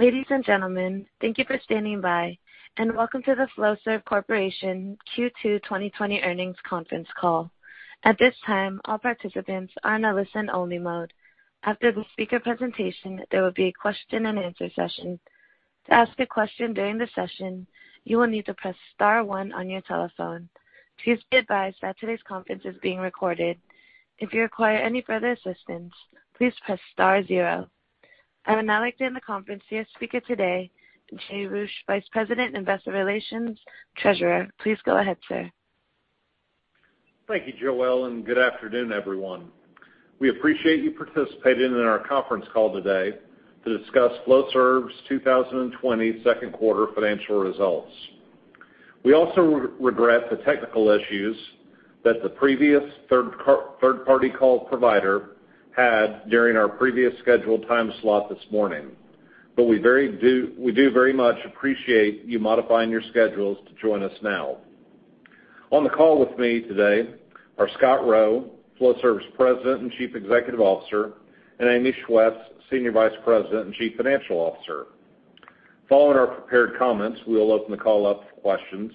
Ladies and gentlemen, thank you for standing by and welcome to the Flowserve Corporation Q2 2020 earnings conference call. At this time, all participants are in a listen-only mode. After the speaker presentation, there will be a question and answer session. To ask a question during the session, you will need to press star one on your telephone. Please be advised that today's conference is being recorded. If you require any further assistance, please press star zero. I would now like to hand the conference to your speaker today, Jay Roueche, Vice President of Investor Relations, Treasurer. Please go ahead, sir. Thank you, Joelle. Good afternoon, everyone. We appreciate you participating in our conference call today to discuss Flowserve's 2020 second quarter financial results. We also regret the technical issues that the previous third-party call provider had during our previous scheduled time slot this morning, but we do very much appreciate you modifying your schedules to join us now. On the call with me today are Scott Rowe, Flowserve's President and Chief Executive Officer, and Amy Schwetz, Senior Vice President and Chief Financial Officer. Following our prepared comments, we will open the call up for questions.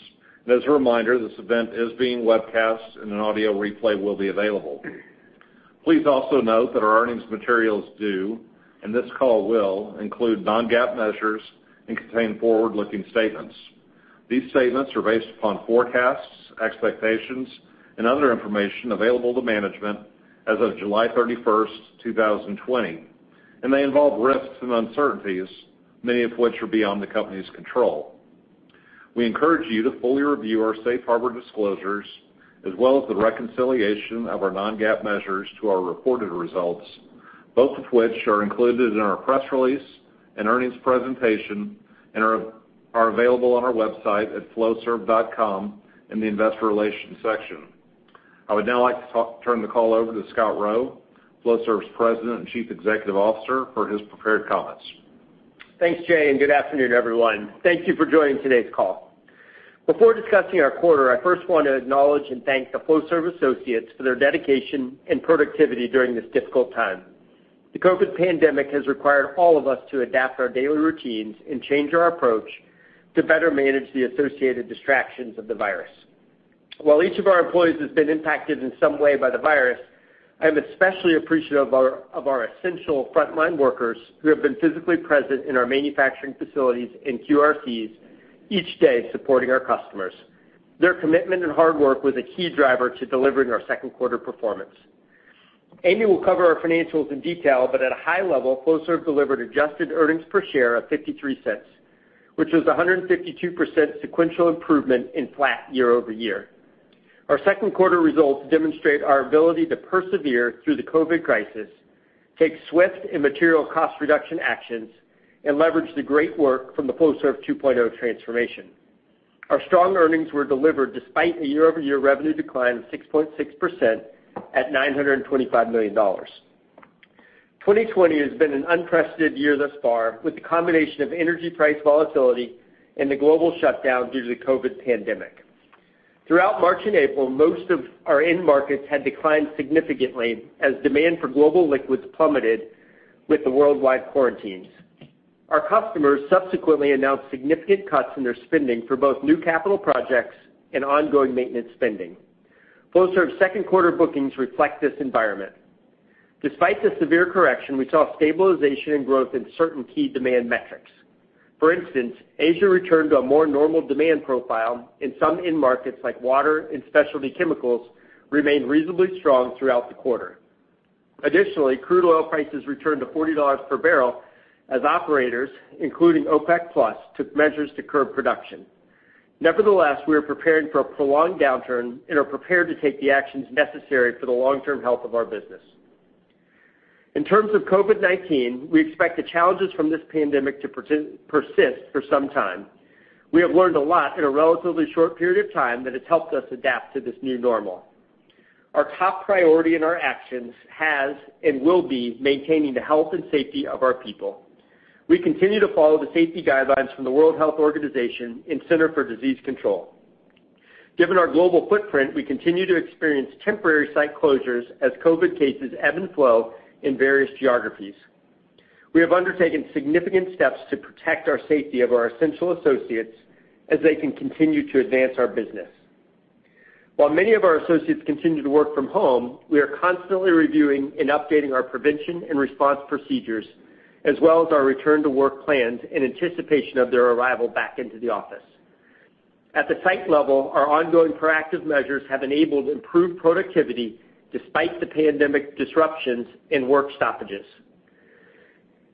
As a reminder, this event is being webcast and an audio replay will be available. Please also note that our earnings materials do, and this call will, include non-GAAP measures and contain forward-looking statements. These statements are based upon forecasts, expectations, and other information available to management as of July 31st, 2020, and they involve risks and uncertainties, many of which are beyond the company's control. We encourage you to fully review our safe harbor disclosures as well as the reconciliation of our non-GAAP measures to our reported results, both of which are included in our press release and earnings presentation and are available on our website at flowserve.com in the investor relations section. I would now like to turn the call over to Scott Rowe, Flowserve's President and Chief Executive Officer, for his prepared comments. Thanks, Jay. Good afternoon, everyone. Thank you for joining today's call. Before discussing our quarter, I first want to acknowledge and thank the Flowserve associates for their dedication and productivity during this difficult time. The COVID pandemic has required all of us to adapt our daily routines and change our approach to better manage the associated distractions of the virus. While each of our employees has been impacted in some way by the virus, I am especially appreciative of our essential frontline workers who have been physically present in our manufacturing facilities and QRCs each day supporting our customers. Their commitment and hard work was a key driver to delivering our second quarter performance. Amy will cover our financials in detail, but at a high level, Flowserve delivered adjusted earnings per share of $0.53, which was 152% sequential improvement in flat year-over-year. Our second quarter results demonstrate our ability to persevere through the COVID crisis, take swift and material cost reduction actions, and leverage the great work from the Flowserve 2.0 Transformation. Our strong earnings were delivered despite a year-over-year revenue decline of 6.6% at $925 million. 2020 has been an unprecedented year thus far with the combination of energy price volatility and the global shutdown due to the COVID pandemic. Throughout March and April, most of our end markets had declined significantly as demand for global liquids plummeted with the worldwide quarantines. Our customers subsequently announced significant cuts in their spending for both new capital projects and ongoing maintenance spending. Flowserve's second quarter bookings reflect this environment. Despite the severe correction, we saw stabilization and growth in certain key demand metrics. For instance, Asia returned to a more normal demand profile and some end markets like water and specialty chemicals remained reasonably strong throughout the quarter. Additionally, crude oil prices returned to $40 per barrel as operators, including OPEC+, took measures to curb production. Nevertheless, we are preparing for a prolonged downturn and are prepared to take the actions necessary for the long-term health of our business. In terms of COVID-19, we expect the challenges from this pandemic to persist for some time. We have learned a lot in a relatively short period of time that has helped us adapt to this new normal. Our top priority in our actions has and will be maintaining the health and safety of our people. We continue to follow the safety guidelines from the World Health Organization and Centers for Disease Control. Given our global footprint, we continue to experience temporary site closures as COVID cases ebb and flow in various geographies. We have undertaken significant steps to protect our safety of our essential associates as they can continue to advance our business. While many of our associates continue to work from home, we are constantly reviewing and updating our prevention and response procedures, as well as our return to work plans in anticipation of their arrival back into the office. At the site level, our ongoing proactive measures have enabled improved productivity despite the pandemic disruptions and work stoppages.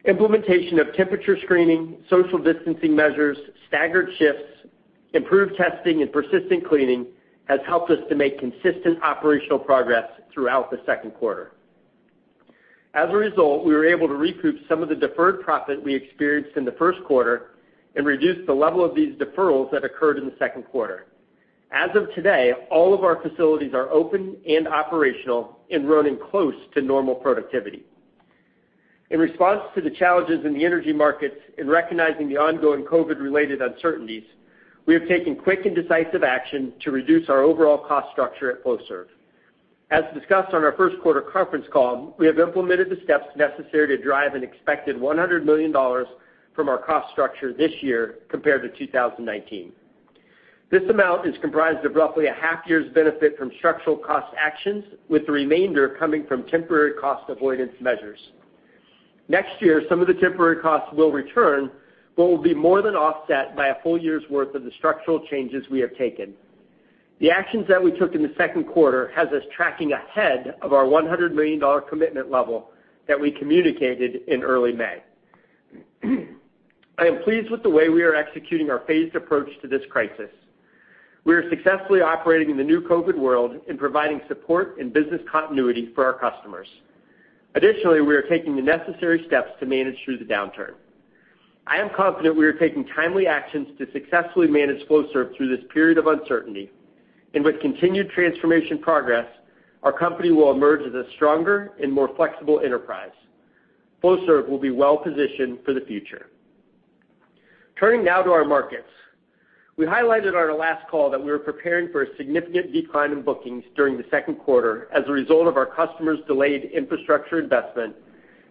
Implementation of temperature screening, social distancing measures, staggered shifts, improved testing, and persistent cleaning has helped us to make consistent operational progress throughout the second quarter. As a result, we were able to recoup some of the deferred profit we experienced in the first quarter and reduce the level of these deferrals that occurred in the second quarter. As of today, all of our facilities are open and operational and running close to normal productivity. In response to the challenges in the energy markets and recognizing the ongoing COVID related uncertainties, we have taken quick and decisive action to reduce our overall cost structure at Flowserve. As discussed on our first quarter conference call, we have implemented the steps necessary to drive an expected $100 million from our cost structure this year compared to 2019. This amount is comprised of roughly a half year's benefit from structural cost actions, with the remainder coming from temporary cost avoidance measures. Next year, some of the temporary costs will return but will be more than offset by a full year's worth of the structural changes we have taken. The actions that we took in the second quarter has us tracking ahead of our $100 million commitment level that we communicated in early May. I am pleased with the way we are executing our phased approach to this crisis. We are successfully operating in the new COVID world and providing support and business continuity for our customers. Additionally, we are taking the necessary steps to manage through the downturn. I am confident we are taking timely actions to successfully manage Flowserve through this period of uncertainty, and with continued Transformation progress, our company will emerge as a stronger and more flexible enterprise. Flowserve will be well-positioned for the future. Turning now to our markets. We highlighted on our last call that we were preparing for a significant decline in bookings during the second quarter as a result of our customers' delayed infrastructure investment,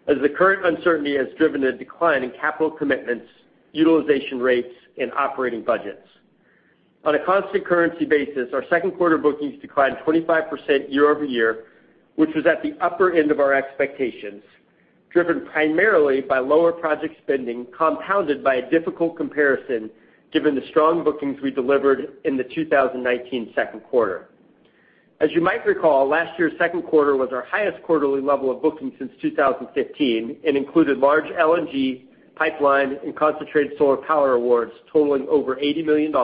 as the current uncertainty has driven a decline in capital commitments, utilization rates, and operating budgets. On a constant currency basis, our second quarter bookings declined 25% year-over-year, which was at the upper end of our expectations, driven primarily by lower project spending, compounded by a difficult comparison given the strong bookings we delivered in the 2019 second quarter. As you might recall, last year's second quarter was our highest quarterly level of bookings since 2015 and included large LNG pipeline and concentrated solar power awards totaling over $80 million,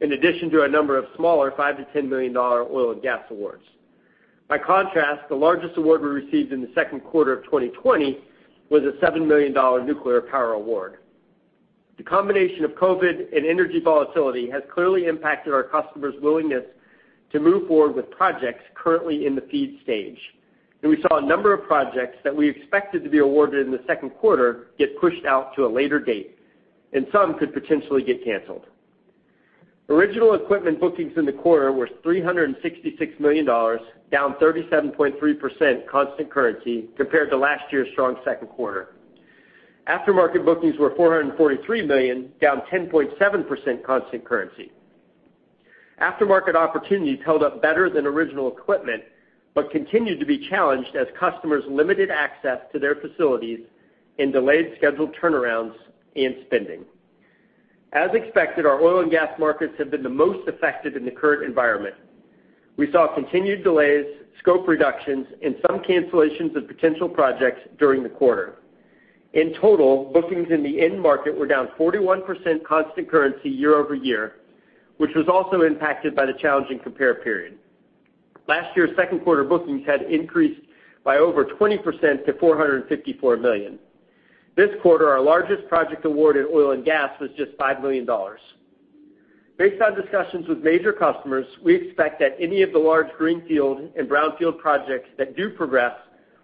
in addition to a number of smaller $5 million-$10 million oil and gas awards. By contrast, the largest award we received in the second quarter of 2020 was a $7 million nuclear power award. The combination of COVID and energy volatility has clearly impacted our customers' willingness to move forward with projects currently in the FEED stage, and we saw a number of projects that we expected to be awarded in the second quarter get pushed out to a later date, and some could potentially get canceled. Original equipment bookings in the quarter were $366 million, down 37.3% constant currency compared to last year's strong second quarter. Aftermarket bookings were $443 million, down 10.7% constant currency. Aftermarket opportunities held up better than original equipment, but continued to be challenged as customers limited access to their facilities and delayed scheduled turnarounds and spending. As expected, our oil and gas markets have been the most affected in the current environment. We saw continued delays, scope reductions, and some cancellations of potential projects during the quarter. In total, bookings in the end market were down 41% constant currency year-over-year, which was also impacted by the challenging compare period. Last year's second quarter bookings had increased by over 20% to $454 million. This quarter, our largest project award in oil and gas was just $5 million. Based on discussions with major customers, we expect that any of the large greenfield and brownfield projects that do progress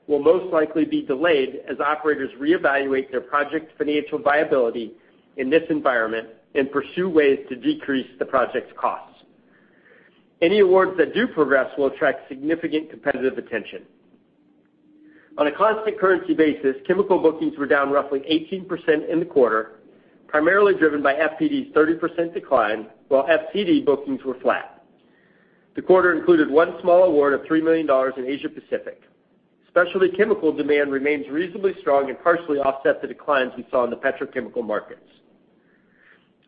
will most likely be delayed as operators reevaluate their project's financial viability in this environment and pursue ways to decrease the project's costs. Any awards that do progress will attract significant competitive attention. On a constant currency basis, chemical bookings were down roughly 18% in the quarter, primarily driven by FPD's 30% decline, while FCD bookings were flat. The quarter included one small award of $3 million in Asia Pacific. Specialty chemical demand remains reasonably strong and partially offset the declines we saw in the petrochemical markets.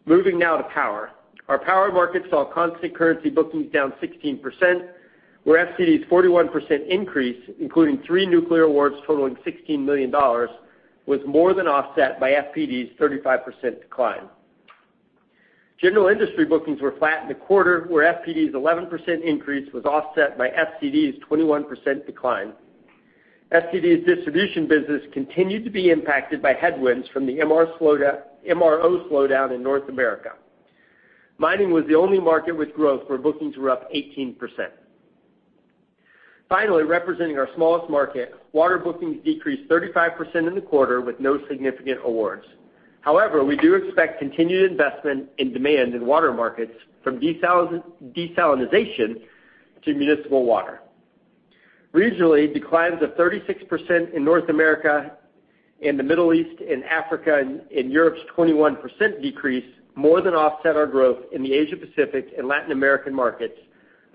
Moving now to power. Our power market saw constant currency bookings down 16%, where FCD's 41% increase, including three nuclear awards totaling $16 million, was more than offset by FPD's 35% decline. General Industry bookings were flat in the quarter, where FPD's 11% increase was offset by FCD's 21% decline. FCD's distribution business continued to be impacted by headwinds from the MRO slowdown in North America. Mining was the only market with growth, where bookings were up 18%. Finally, representing our smallest market, water bookings decreased 35% in the quarter with no significant awards. We do expect continued investment in demand in water markets from desalinization to municipal water. Regionally, declines of 36% in North America and the Middle East and Africa, and Europe's 21% decrease more than offset our growth in the Asia Pacific and Latin American markets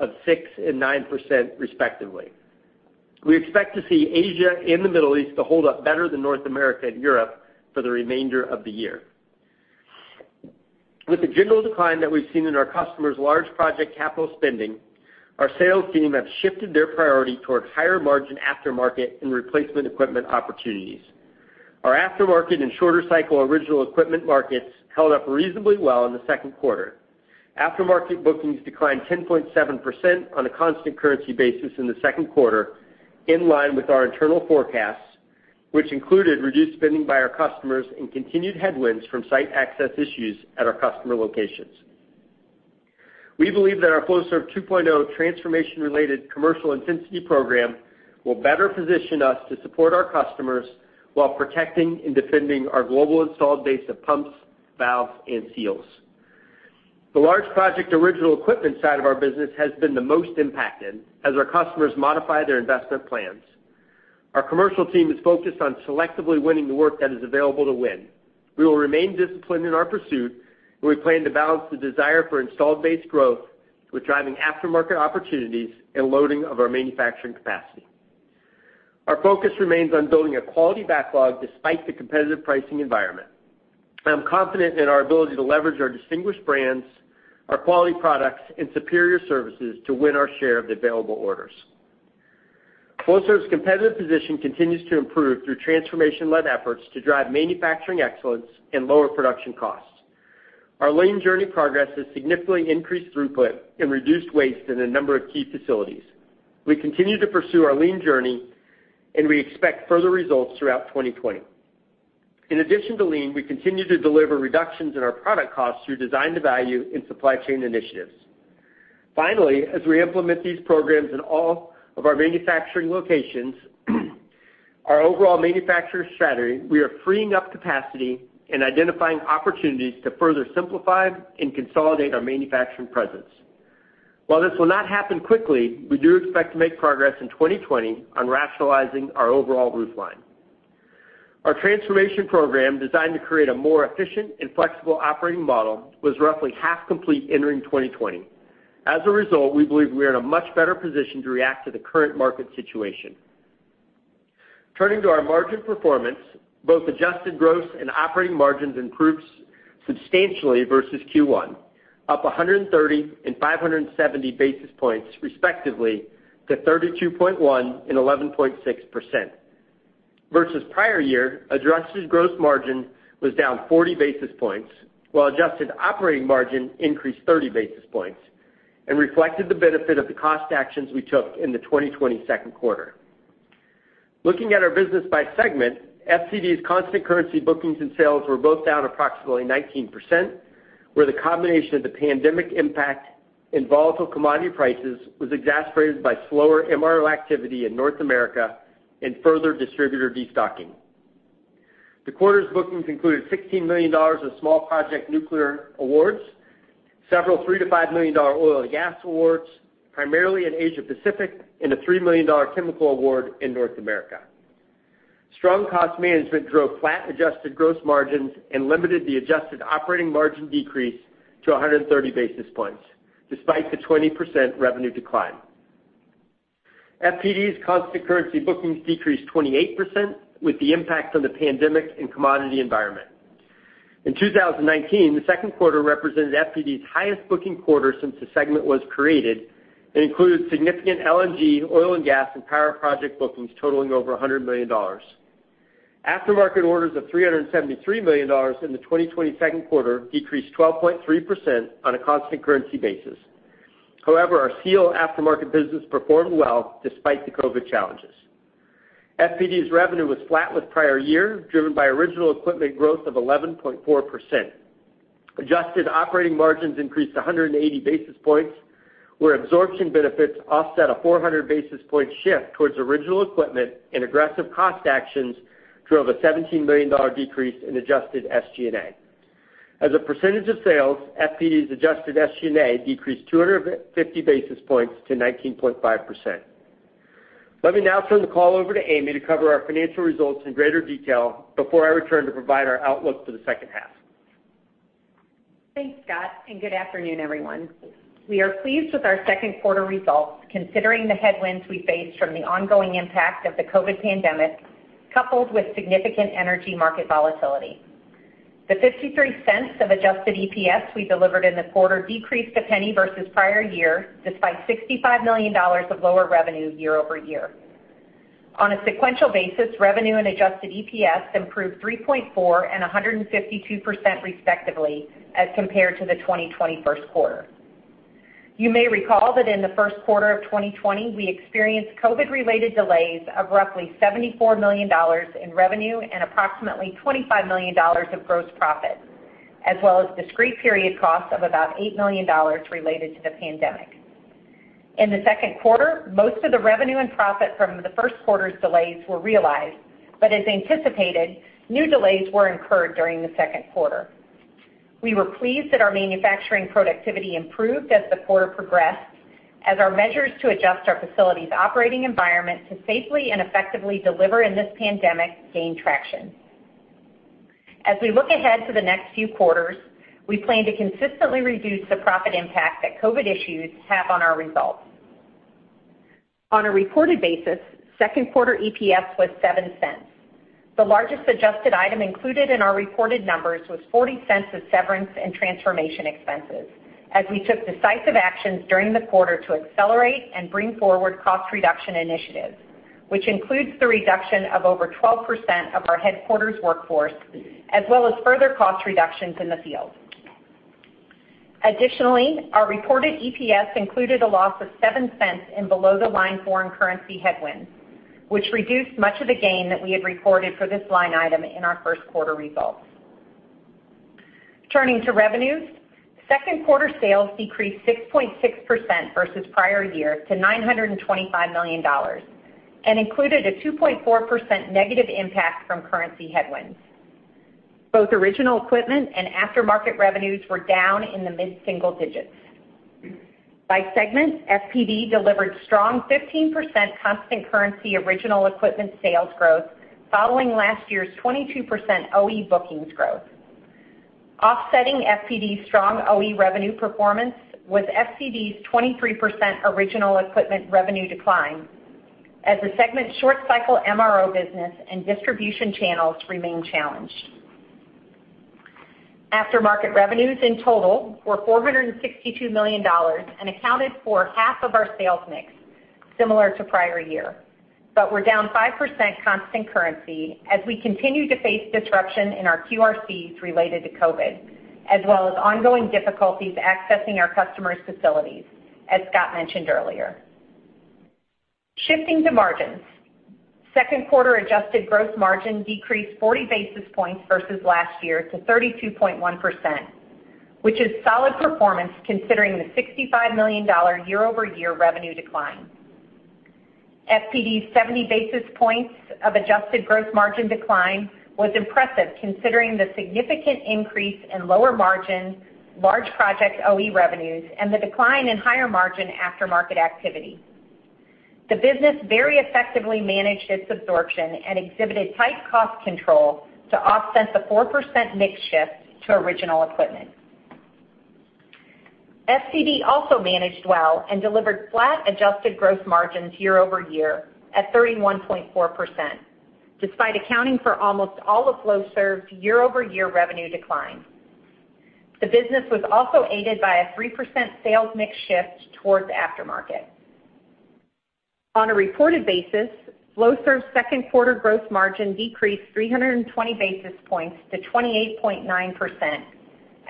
of 6% and 9% respectively. We expect to see Asia and the Middle East to hold up better than North America and Europe for the remainder of the year. With the general decline that we've seen in our customers' large project capital spending, our sales team have shifted their priority towards higher margin aftermarket and replacement equipment opportunities. Our aftermarket and shorter cycle original equipment markets held up reasonably well in the second quarter. Aftermarket bookings declined 10.7% on a constant currency basis in the second quarter, in line with our internal forecasts, which included reduced spending by our customers and continued headwinds from site access issues at our customer locations. We believe that our Flowserve 2.0 Transformation-related commercial intensity program will better position us to support our customers while protecting and defending our global installed base of pumps, valves, and seals. The large project original equipment side of our business has been the most impacted as our customers modify their investment plans. Our commercial team is focused on selectively winning the work that is available to win. We will remain disciplined in our pursuit, and we plan to balance the desire for installed base growth with driving aftermarket opportunities and loading of our manufacturing capacity. Our focus remains on building a quality backlog despite the competitive pricing environment. I am confident in our ability to leverage our distinguished brands, our quality products, and superior services to win our share of the available orders. Flowserve's competitive position continues to improve through transformation-led efforts to drive manufacturing excellence and lower production costs. Our Lean journey progress has significantly increased throughput and reduced waste in a number of key facilities. We continue to pursue our Lean journey, and we expect further results throughout 2020. In addition to Lean, we continue to deliver reductions in our product costs through design to value and supply chain initiatives. Finally, as we implement these programs in all of our manufacturing locations, our overall manufacturer strategy, we are freeing up capacity and identifying opportunities to further simplify and consolidate our manufacturing presence. While this will not happen quickly, we do expect to make progress in 2020 on rationalizing our overall roof line. Our Transformation Program, designed to create a more efficient and flexible operating model, was roughly half complete entering 2020. As a result, we believe we are in a much better position to react to the current market situation. Turning to our margin performance, both adjusted gross and operating margins improved substantially versus Q1, up 130 and 570 basis points respectively to 32.1% and 11.6%. Versus prior year, adjusted gross margin was down 40 basis points, while adjusted operating margin increased 30 basis points and reflected the benefit of the cost actions we took in the 2020 second quarter. Looking at our business by segment, FCD's constant currency bookings and sales were both down approximately 19%, where the combination of the pandemic impact and volatile commodity prices was exacerbated by slower MRO activity in North America and further distributor destocking. The quarter's bookings included $16 million of small project nuclear awards, several $3 million-$5 million oil and gas awards, primarily in Asia-Pacific, and a $3 million chemical award in North America. Strong cost management drove flat adjusted gross margins and limited the adjusted operating margin decrease to 130 basis points despite the 20% revenue decline. FPD's constant currency bookings decreased 28% with the impact of the pandemic and commodity environment. In 2019, the second quarter represented FPD's highest booking quarter since the segment was created and included significant LNG, oil and gas, and power project bookings totaling over $100 million. Aftermarket orders of $373 million in the 2020 second quarter decreased 12.3% on a constant currency basis. However, our seal aftermarket business performed well despite the COVID challenges. FPD's revenue was flat with prior year, driven by original equipment growth of 11.4%. Adjusted operating margins increased 180 basis points, where absorption benefits offset a 400 basis point shift towards original equipment and aggressive cost actions drove a $17 million decrease in adjusted SG&A. As a percentage of sales, FPD's adjusted SG&A decreased 250 basis points to 19.5%. Let me now turn the call over to Amy to cover our financial results in greater detail before I return to provide our outlook for the second half. Thanks, Scott. Good afternoon, everyone. We are pleased with our second quarter results, considering the headwinds we faced from the ongoing impact of the COVID pandemic, coupled with significant energy market volatility. The $0.53 of adjusted EPS we delivered in the quarter decreased $0.01 versus prior year, despite $65 million of lower revenue year-over-year. On a sequential basis, revenue and adjusted EPS improved 3.4% and 152% respectively as compared to the 2020 first quarter. You may recall that in the first quarter of 2020, we experienced COVID-related delays of roughly $74 million in revenue and approximately $25 million of gross profit, as well as discrete period costs of about $8 million related to the pandemic. In the second quarter, most of the revenue and profit from the first quarter's delays were realized, but as anticipated, new delays were incurred during the second quarter. We were pleased that our manufacturing productivity improved as the quarter progressed, as our measures to adjust our facility's operating environment to safely and effectively deliver in this pandemic gained traction. As we look ahead to the next few quarters, we plan to consistently reduce the profit impact that COVID issues have on our results. On a reported basis, second quarter EPS was $0.07. The largest adjusted item included in our reported numbers was $0.40 of severance and Transformation expenses as we took decisive actions during the quarter to accelerate and bring forward cost reduction initiatives, which includes the reduction of over 12% of our headquarters workforce, as well as further cost reductions in the field. Additionally, our reported EPS included a loss of $0.07 in below the line foreign currency headwinds, which reduced much of the gain that we had reported for this line item in our first quarter results. Turning to revenues, second quarter sales decreased 6.6% versus prior year to $925 million. Included a 2.4% negative impact from currency headwinds. Both original equipment and aftermarket revenues were down in the mid-single digits. By segment, FPD delivered strong 15% constant currency original equipment sales growth following last year's 22% OE bookings growth. Offsetting FPD's strong OE revenue performance was FCD's 23% original equipment revenue decline as the segment's short cycle MRO business and distribution channels remain challenged. Aftermarket revenues in total were $462 million and accounted for half of our sales mix, similar to prior year. We're down 5% constant currency as we continue to face disruption in our QRCs related to COVID, as well as ongoing difficulties accessing our customers' facilities, as Scott mentioned earlier. Shifting to margins. Second quarter adjusted gross margin decreased 40 basis points versus last year to 32.1%, which is solid performance considering the $65 million year-over-year revenue decline. FPD's 70 basis points of adjusted gross margin decline was impressive considering the significant increase in lower margin, large project OE revenues and the decline in higher margin aftermarket activity. The business very effectively managed its absorption and exhibited tight cost control to offset the 4% mix shift to original equipment. FCD also managed well and delivered flat adjusted gross margins year-over-year at 31.4%, despite accounting for almost all of Flowserve's year-over-year revenue decline. The business was also aided by a 3% sales mix shift towards aftermarket. On a reported basis, Flowserve's second quarter gross margin decreased 320 basis points to 28.9%.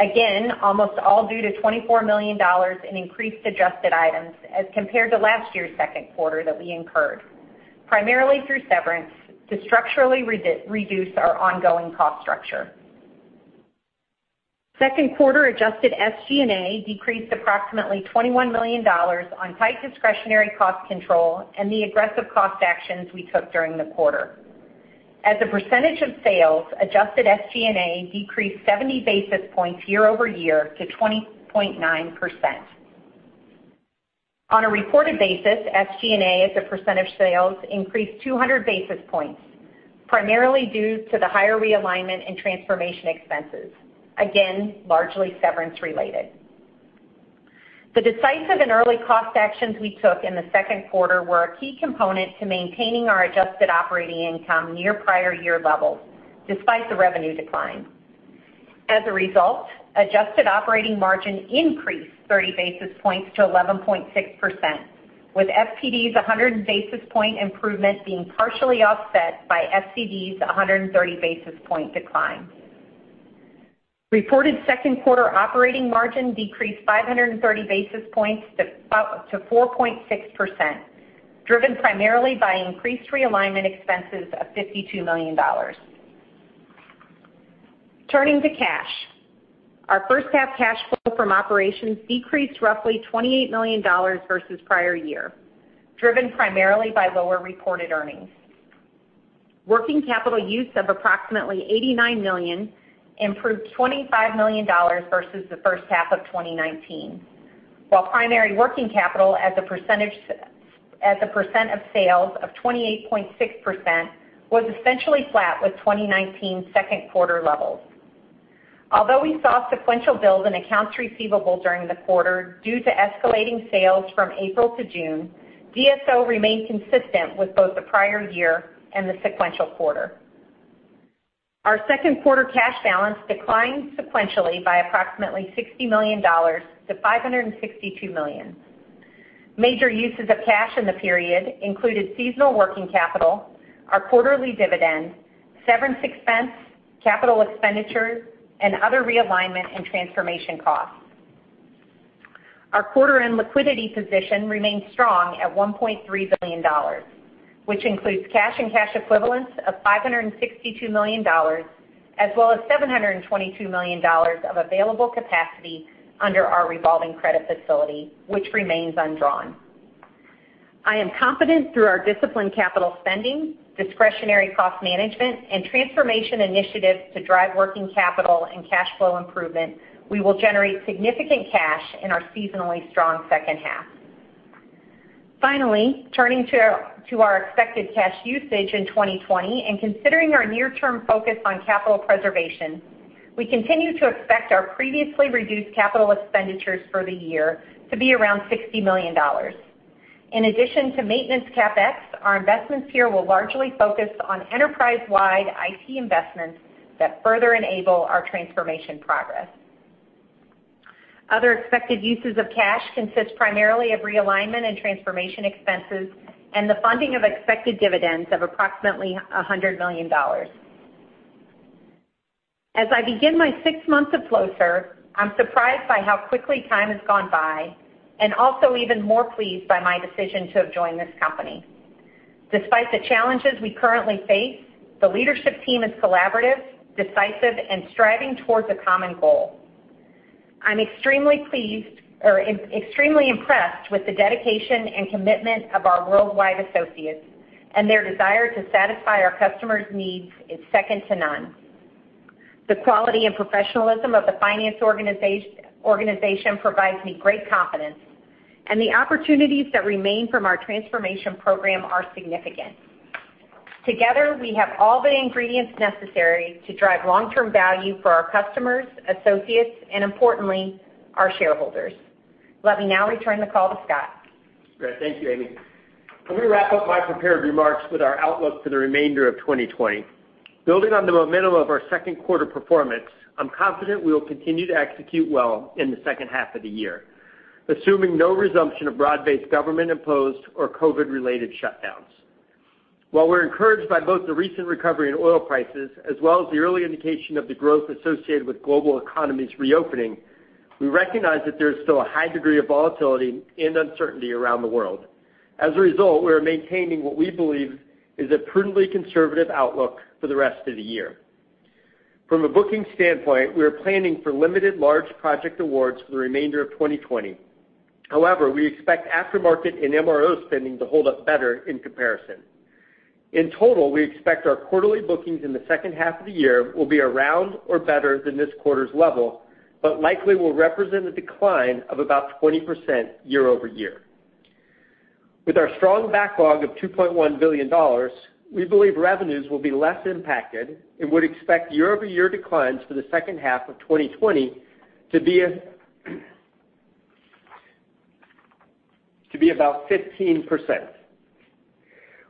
Again, almost all due to $24 million in increased adjusted items as compared to last year's second quarter that we incurred, primarily through severance to structurally reduce our ongoing cost structure. Second quarter adjusted SG&A decreased approximately $21 million on tight discretionary cost control and the aggressive cost actions we took during the quarter. As a percentage of sales, adjusted SG&A decreased 70 basis points year-over-year to 20.9%. On a reported basis, SG&A as a percentage sales increased 200 basis points, primarily due to the higher realignment and Transformation expenses, again, largely severance related. The decisive and early cost actions we took in the second quarter were a key component to maintaining our adjusted operating income near prior year levels, despite the revenue decline. As a result, adjusted operating margin increased 30 basis points to 11.6%, with FPD's 100 basis point improvement being partially offset by FCD's 130 basis point decline. Reported second quarter operating margin decreased 530 basis points to 4.6%, driven primarily by increased realignment expenses of $52 million. Turning to cash. Our first half cash flow from operations decreased roughly $28 million versus prior year, driven primarily by lower reported earnings. Working capital use of approximately $89 million improved $25 million versus the first half of 2019. While primary working capital as a percent of sales of 28.6% was essentially flat with 2019 second quarter levels. Although we saw sequential build in accounts receivable during the quarter due to escalating sales from April to June, DSO remained consistent with both the prior year and the sequential quarter. Our second quarter cash balance declined sequentially by approximately $60 million to $562 million. Major uses of cash in the period included seasonal working capital, our quarterly dividend, severance expense, capital expenditures, and other realignment and Transformation costs. Our quarter-end liquidity position remains strong at $1.3 billion, which includes cash and cash equivalents of $562 million, as well as $722 million of available capacity under our revolving credit facility, which remains undrawn. I am confident through our disciplined capital spending, discretionary cost management, and Transformation initiatives to drive working capital and cash flow improvement, we will generate significant cash in our seasonally strong second half. Finally, turning to our expected cash usage in 2020 and considering our near-term focus on capital preservation, we continue to expect our previously reduced capital expenditures for the year to be around $60 million. In addition to maintenance CapEx, our investments here will largely focus on enterprise-wide IT investments that further enable our Transformation progress. Other expected uses of cash consist primarily of realignment and Transformation expenses and the funding of expected dividends of approximately $100 million. As I begin my sixth month at Flowserve, I'm surprised by how quickly time has gone by and also even more pleased by my decision to have joined this company. Despite the challenges we currently face, the leadership team is collaborative, decisive, and striving towards a common goal. I'm extremely impressed with the dedication and commitment of our worldwide associates, and their desire to satisfy our customers' needs is second to none. The quality and professionalism of the finance organization provides me great confidence, and the opportunities that remain from our Transformation Program are significant. Together, we have all the ingredients necessary to drive long-term value for our customers, associates, and importantly, our shareholders. Let me now return the call to Scott. Great. Thank you, Amy. Let me wrap up my prepared remarks with our outlook for the remainder of 2020. Building on the momentum of our second quarter performance, I'm confident we will continue to execute well in the second half of the year, assuming no resumption of broad-based government imposed or COVID related shutdowns. We're encouraged by both the recent recovery in oil prices as well as the early indication of the growth associated with global economies reopening, we recognize that there is still a high degree of volatility and uncertainty around the world. We are maintaining what we believe is a prudently conservative outlook for the rest of the year. From a booking standpoint, we are planning for limited large project awards for the remainder of 2020. We expect aftermarket and MRO spending to hold up better in comparison. In total, we expect our quarterly bookings in the second half of the year will be around or better than this quarter's level, but likely will represent a decline of about 20% year-over-year. With our strong backlog of $2.1 billion, we believe revenues will be less impacted and would expect year-over-year declines for the second half of 2020 to be about 15%.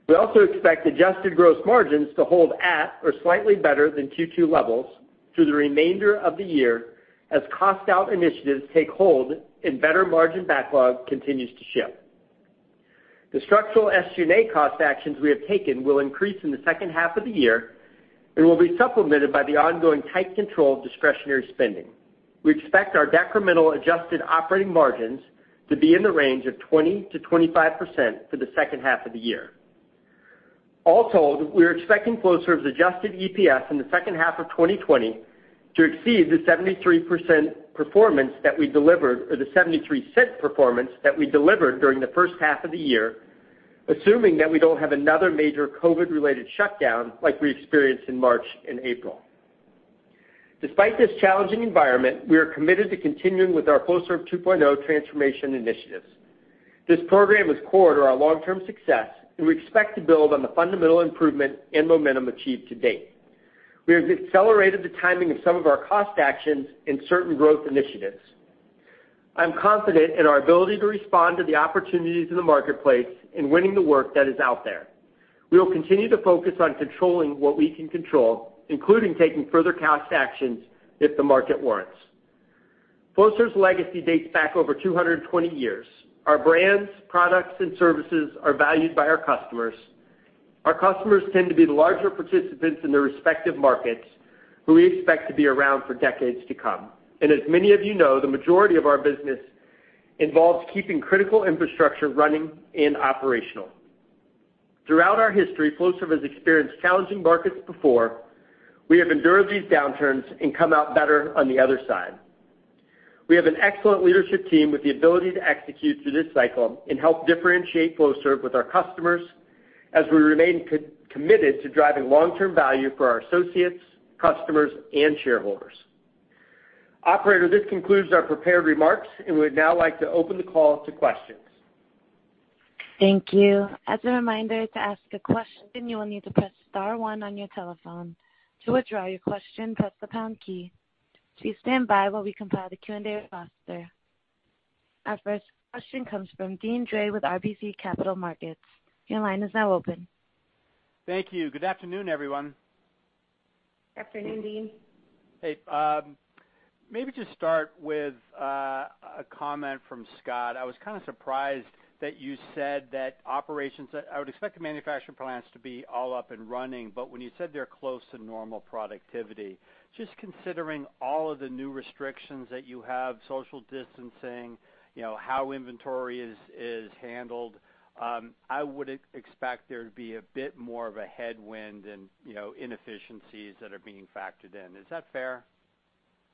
We also expect adjusted gross margins to hold at or slightly better than Q2 levels through the remainder of the year as cost out initiatives take hold and better margin backlog continues to ship. The structural SG&A cost actions we have taken will increase in the second half of the year and will be supplemented by the ongoing tight control of discretionary spending. We expect our decremental adjusted operating margins to be in the range of 20%-25% for the second half of the year. We are expecting Flowserve's adjusted EPS in the second half of 2020 to exceed the $0.73 performance that we delivered during the first half of the year, assuming that we don't have another major COVID related shutdown like we experienced in March and April. Despite this challenging environment, we are committed to continuing with our Flowserve 2.0 Transformation initiatives. This program is core to our long-term success. We expect to build on the fundamental improvement and momentum achieved to date. We have accelerated the timing of some of our cost actions and certain growth initiatives. I'm confident in our ability to respond to the opportunities in the marketplace in winning the work that is out there. We will continue to focus on controlling what we can control, including taking further cost actions if the market warrants. Flowserve's legacy dates back over 220 years. Our brands, products, and services are valued by our customers. Our customers tend to be the larger participants in their respective markets who we expect to be around for decades to come. As many of you know, the majority of our business involves keeping critical infrastructure running and operational. Throughout our history, Flowserve has experienced challenging markets before. We have endured these downturns and come out better on the other side. We have an excellent leadership team with the ability to execute through this cycle and help differentiate Flowserve with our customers as we remain committed to driving long-term value for our associates, customers, and shareholders. Operator, this concludes our prepared remarks, and we'd now like to open the call to questions. Thank you. As a reminder, to ask a question, you will need to press star one on your telephone. To withdraw your question, press the pound key. Please stand by while we compile the Q&A roster. Our first question comes from Deane Dray with RBC Capital Markets. Your line is now open. Thank you. Good afternoon, everyone. Afternoon, Deane. Hey, maybe just start with a comment from Scott. I was kind of surprised that you said that. I would expect the manufacturing plants to be all up and running, but when you said they're close to normal productivity, just considering all of the new restrictions that you have, social distancing, how inventory is handled, I would expect there to be a bit more of a headwind and inefficiencies that are being factored in. Is that fair?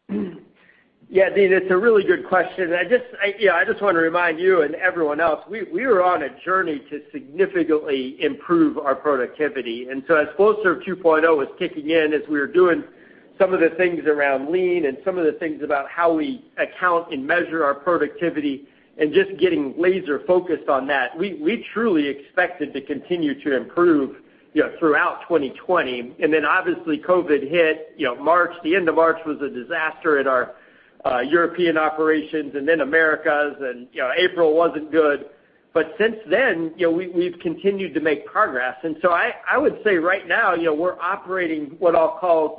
Deane, it's a really good question. I just want to remind you and everyone else, we were on a journey to significantly improve our productivity. As Flowserve 2.0 was kicking in, as we were doing some of the things around lean and some of the things about how we account and measure our productivity and just getting laser focused on that, we truly expected to continue to improve throughout 2020. Obviously COVID hit. The end of March was a disaster at our European operations and then Americas and April wasn't good. Since then, we've continued to make progress. I would say right now we're operating what I'll call,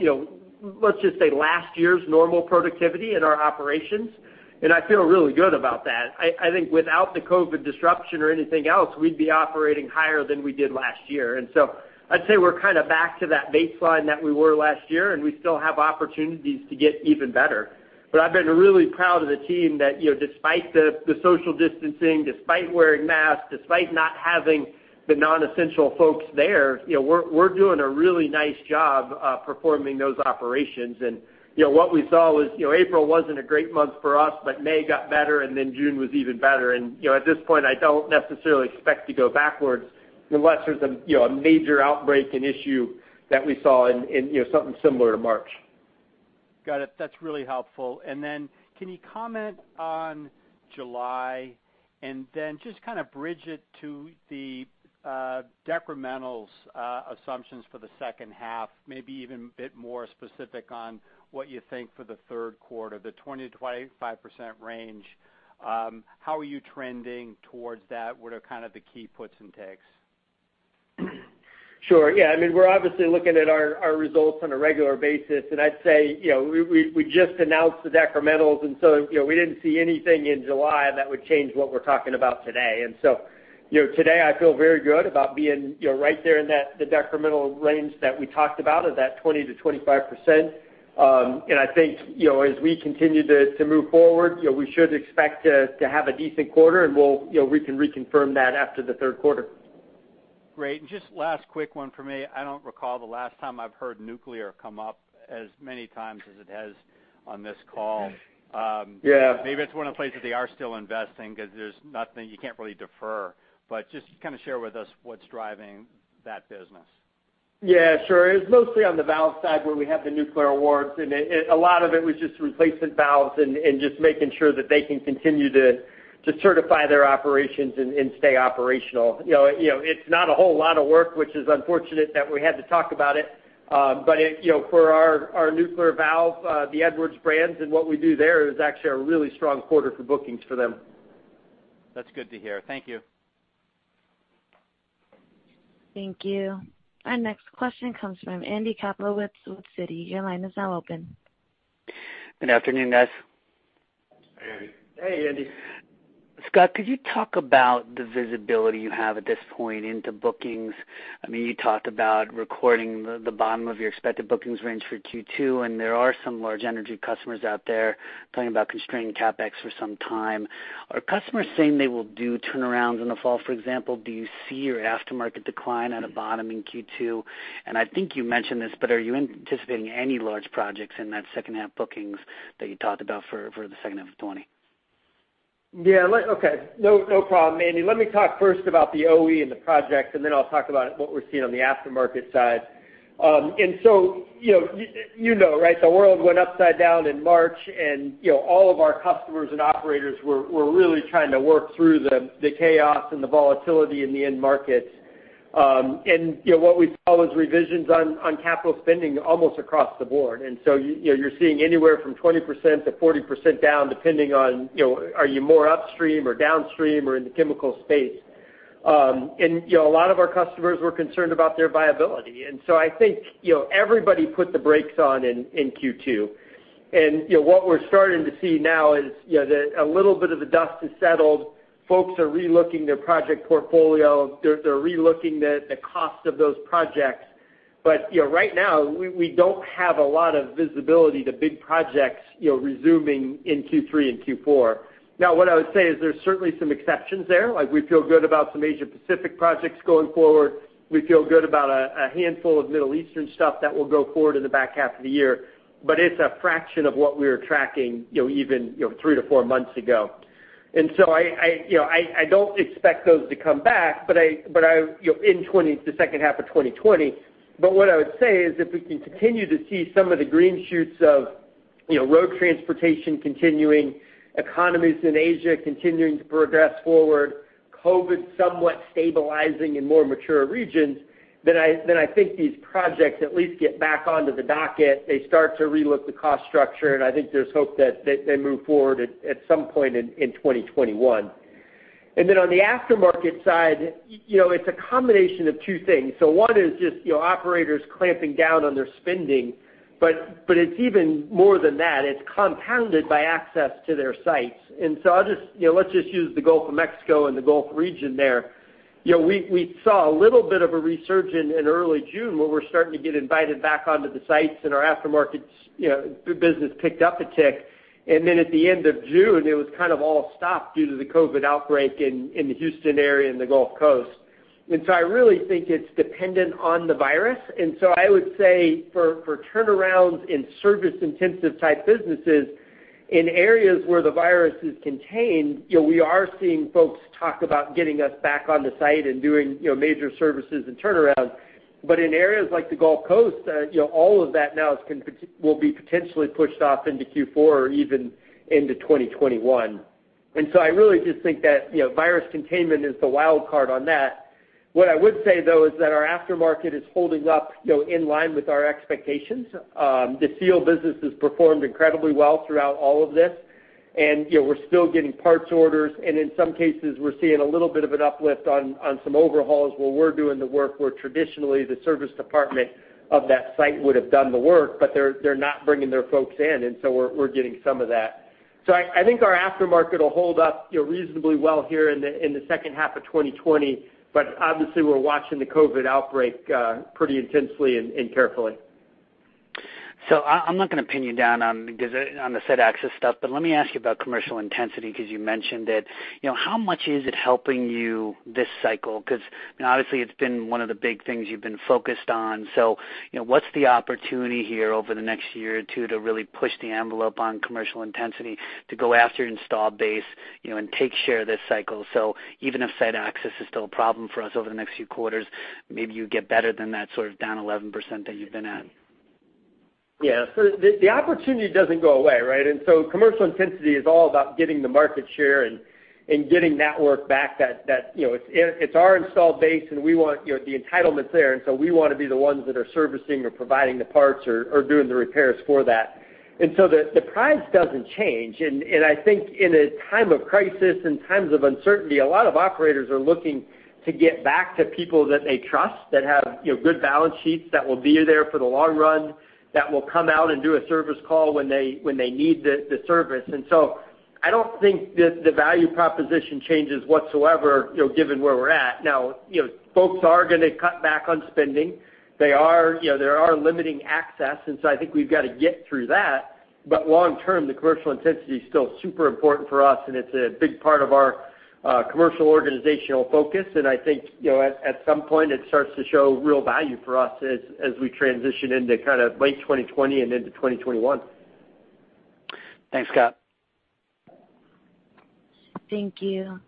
let's just say, last year's normal productivity in our operations, and I feel really good about that. I think without the COVID disruption or anything else, we'd be operating higher than we did last year. I'd say we're kind of back to that baseline that we were last year, and we still have opportunities to get even better. I've been really proud of the team that despite the social distancing, despite wearing masks, despite not having the non-essential folks there, we're doing a really nice job performing those operations. What we saw was April wasn't a great month for us, but May got better, and then June was even better. At this point, I don't necessarily expect to go backwards unless there's a major outbreak and issue that we saw and something similar to March. Got it. That is really helpful. Can you comment on July and then just kind of bridge it to the decrementals assumptions for the second half, maybe even a bit more specific on what you think for the third quarter, the 20%-25% range. How are you trending towards that? What are kind of the key puts and takes? Sure. Yeah, we're obviously looking at our results on a regular basis, and I'd say, we just announced the decrementals, we didn't see anything in July that would change what we're talking about today. Today I feel very good about being right there in the decremental range that we talked about of that 20%-25%. I think, as we continue to move forward, we should expect to have a decent quarter, and we can reconfirm that after the third quarter. Great. Just last quick one for me. I don't recall the last time I've heard nuclear come up as many times as it has on this call. Yeah. Maybe it's one of the places they are still investing because there's nothing you can't really defer, but just kind of share with us what's driving that business. Yeah, sure. It was mostly on the valve side where we have the nuclear awards, and a lot of it was just replacement valves and just making sure that they can continue to certify their operations and stay operational. It's not a whole lot of work, which is unfortunate that we had to talk about it. For our nuclear valve, the Edward brands and what we do there is actually a really strong quarter for bookings for them. That's good to hear. Thank you. Thank you. Our next question comes from Andy Kaplowitz with Citi. Your line is now open. Good afternoon, guys. Hey, Andy. Scott, could you talk about the visibility you have at this point into bookings? You talked about recording the bottom of your expected bookings range for Q2, and there are some large energy customers out there talking about constraining CapEx for some time. Are customers saying they will do turnarounds in the fall, for example? Do you see your aftermarket decline at a bottom in Q2? I think you mentioned this, but are you anticipating any large projects in that second half bookings that you talked about for the second half of 2020? Yeah. Okay. No problem, Andy. Let me talk first about the OE and the projects. Then I'll talk about what we're seeing on the aftermarket side. You know, right, the world went upside down in March, and all of our customers and operators were really trying to work through the chaos and the volatility in the end markets. What we saw was revisions on capital spending almost across the board. You're seeing anywhere from 20%-40% down, depending on, are you more upstream or downstream or in the chemical space? A lot of our customers were concerned about their viability. I think everybody put the brakes on in Q2. What we're starting to see now is that a little bit of the dust has settled. Folks are re-looking their project portfolio. They're re-looking the cost of those projects. Right now, we don't have a lot of visibility to big projects resuming in Q3 and Q4. What I would say is there's certainly some exceptions there, like we feel good about some Asia Pacific projects going forward. We feel good about a handful of Middle Eastern stuff that will go forward in the back half of the year. It's a fraction of what we were tracking even three to four months ago. I don't expect those to come back in the second half of 2020. What I would say is if we can continue to see some of the green shoots of road transportation continuing, economies in Asia continuing to progress forward, COVID somewhat stabilizing in more mature regions, then I think these projects at least get back onto the docket. They start to re-look the cost structure. I think there's hope that they move forward at some point in 2021. On the aftermarket side, it's a combination of two things. One is just operators clamping down on their spending. It's even more than that. It's compounded by access to their sites. Let's just use the Gulf of Mexico and the Gulf region there. We saw a little bit of a resurgence in early June where we're starting to get invited back onto the sites and our aftermarket business picked up a tick. At the end of June, it was kind of all stopped due to the COVID outbreak in the Houston area and the Gulf Coast. I really think it's dependent on the virus. I would say for turnarounds in service intensive type businesses, in areas where the virus is contained, we are seeing folks talk about getting us back on the site and doing major services and turnarounds. In areas like the Gulf Coast, all of that now will be potentially pushed off into Q4 or even into 2021. I really just think that virus containment is the wild card on that. What I would say, though, is that our aftermarket is holding up in line with our expectations. The seal business has performed incredibly well throughout all of this, and we're still getting parts orders, and in some cases, we're seeing a little bit of an uplift on some overhauls where we're doing the work where traditionally the service department of that site would have done the work, but they're not bringing their folks in, and so we're getting some of that. I think our aftermarket will hold up reasonably well here in the second half of 2020, but obviously, we're watching the COVID outbreak pretty intensely and carefully. I'm not going to pin you down on the site access stuff, but let me ask you about commercial intensity because you mentioned it. How much is it helping you this cycle? Obviously it's been one of the big things you've been focused on. What's the opportunity here over the next year or two to really push the envelope on commercial intensity to go after your install base and take share this cycle? Even if site access is still a problem for us over the next few quarters, maybe you get better than that sort of down 11% that you've been at. Yeah. The opportunity doesn't go away, right? Commercial intensity is all about getting the market share and getting network back. It's our installed base, the entitlement's there, we want to be the ones that are servicing or providing the parts or doing the repairs for that. The prize doesn't change. I think in a time of crisis, in times of uncertainty, a lot of operators are looking to get back to people that they trust, that have good balance sheets, that will be there for the long run, that will come out and do a service call when they need the service. I don't think that the value proposition changes whatsoever, given where we're at. Now, folks are going to cut back on spending. They are limiting access, I think we've got to get through that. Long term, the commercial intensity is still super important for us, and it's a big part of our commercial organizational focus. I think, at some point, it starts to show real value for us as we transition into late 2020 and into 2021. Thanks, Scott. Thank you.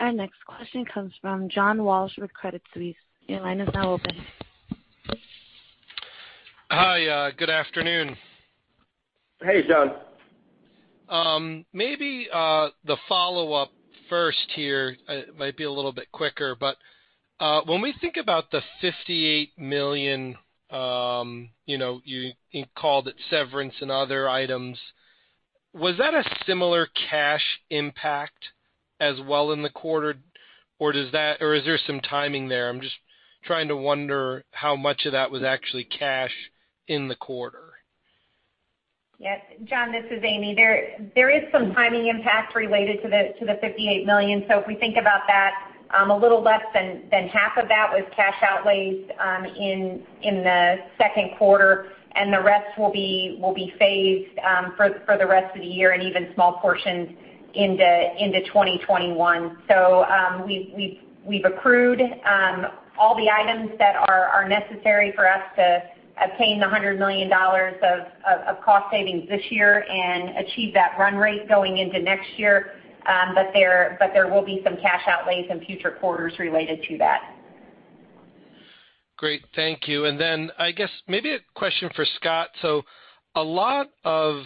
Our next question comes from John Walsh with Credit Suisse. Your line is now open. Hi. Good afternoon. Hey, John. The follow-up first here might be a little bit quicker, but when we think about the $58 million, you called it severance and other items, was that a similar cash impact as well in the quarter, or is there some timing there? I'm just trying to wonder how much of that was actually cash in the quarter. Yes. John, this is Amy. There is some timing impact related to the $58 million. If we think about that, a little less than half of that was cash outlays in the second quarter. The rest will be phased for the rest of the year and even small portions into 2021. We've accrued all the items that are necessary for us to obtain the $100 million of cost savings this year and achieve that run rate going into next year. There will be some cash outlays in future quarters related to that. Great. Thank you. I guess maybe a question for Scott. A lot of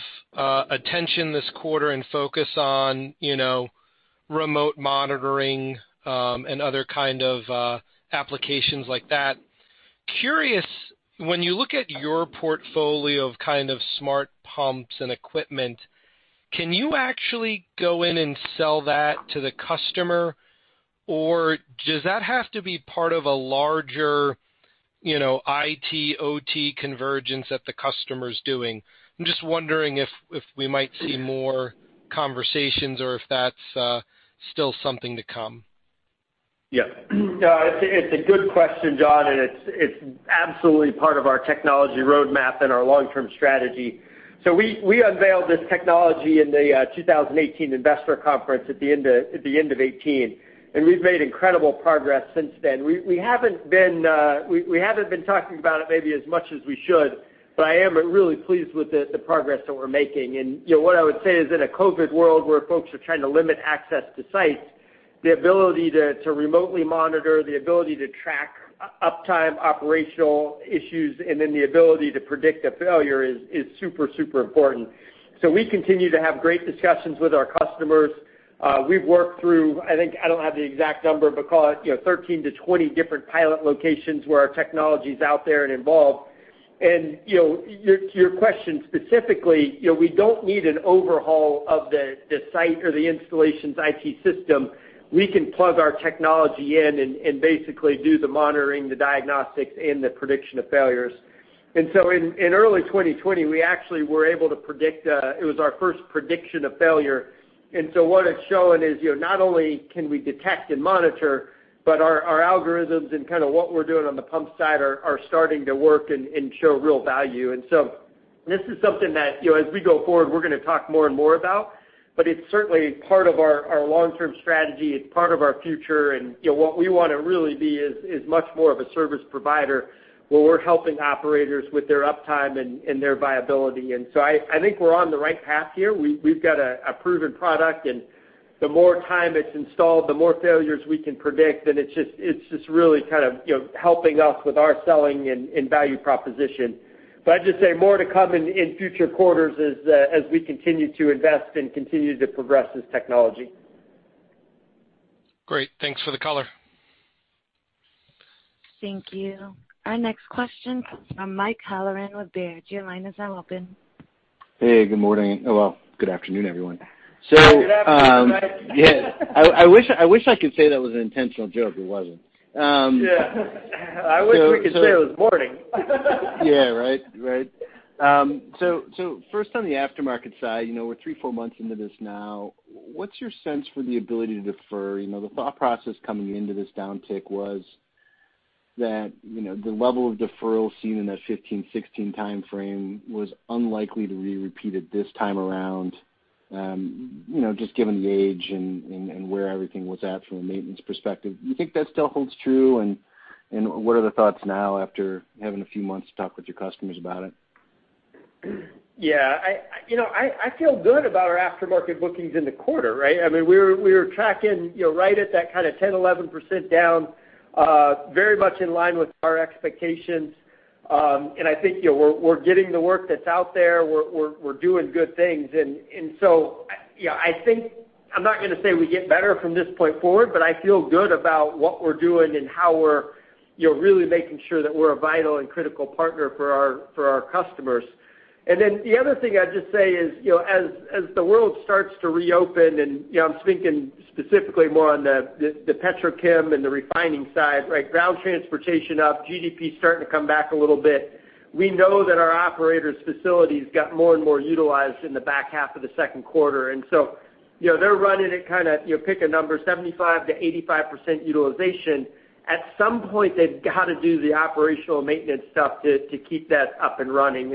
attention this quarter and focus on remote monitoring, and other kind of applications like that. Curious, when you look at your portfolio of kind of smart pumps and equipment, can you actually go in and sell that to the customer, or does that have to be part of a larger IT/OT convergence that the customer's doing? I'm just wondering if we might see more conversations or if that's still something to come. Yeah. It's a good question, John, and it's absolutely part of our technology roadmap and our long-term strategy. We unveiled this technology in the 2018 investor conference at the end of 2018, and we've made incredible progress since then. We haven't been talking about it maybe as much as we should, but I am really pleased with the progress that we're making. What I would say is in a COVID world where folks are trying to limit access to sites, the ability to remotely monitor, the ability to track uptime operational issues, and then the ability to predict a failure is super important. We continue to have great discussions with our customers. We've worked through, I think, I don't have the exact number, but call it 13-20 different pilot locations where our technology's out there and involved. To your question specifically, we don't need an overhaul of the site or the installation's IT system. We can plug our technology in and basically do the monitoring, the diagnostics, and the prediction of failures. In early 2020, we actually were able to predict, it was our first prediction of failure. What it's showing is, not only can we detect and monitor, but our algorithms and kind of what we're doing on the pump side are starting to work and show real value. This is something that, as we go forward, we're going to talk more and more about, but it's certainly part of our long-term strategy. It's part of our future. What we want to really be is much more of a service provider where we're helping operators with their uptime and their viability. I think we're on the right path here. We've got a proven product, and the more time it's installed, the more failures we can predict, and it's just really kind of helping us with our selling and value proposition. I'd just say more to come in future quarters as we continue to invest and continue to progress this technology. Great. Thanks for the color. Thank you. Our next question comes from Mike Halloran with Baird. Your line is now open. Hey, good morning. Well, good afternoon, everyone. Good afternoon, Mike. Yeah. I wish I could say that was an intentional joke. It wasn't. Yeah. I wish we could say it was morning. Yeah. Right. First on the aftermarket side, we're three, four months into this now, what's your sense for the ability to defer? The thought process coming into this downtick was that the level of deferral seen in that 2015, 2016 timeframe was unlikely to be repeated this time around, just given the age and where everything was at from a maintenance perspective. Do you think that still holds true? What are the thoughts now after having a few months to talk with your customers about it? I feel good about our aftermarket bookings in the quarter, right? We are tracking right at that kind of 10%, 11% down, very much in line with our expectations. I think we're getting the work that's out there. We're doing good things. I think I'm not going to say we get better from this point forward, but I feel good about what we're doing and how we're really making sure that we're a vital and critical partner for our customers. The other thing I'd just say is, as the world starts to reopen, and I'm thinking specifically more on the petrochem and the refining side, ground transportation up, GDP starting to come back a little bit. We know that our operators' facilities got more and more utilized in the back half of the second quarter. They're running at kind of, pick a number, 75%-85% utilization. At some point, they've got to do the operational maintenance stuff to keep that up and running.